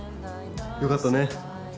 よかったね。